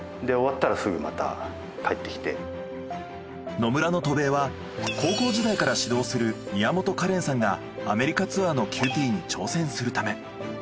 野村の渡米は高校時代から指導する宮本香怜さんがアメリカツアーのＱＴに挑戦するため。